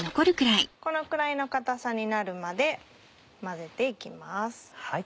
このくらいの硬さになるまで混ぜて行きます。